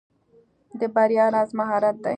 د بریا راز مهارت دی.